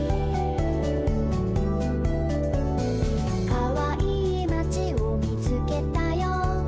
「かわいいまちをみつけたよ」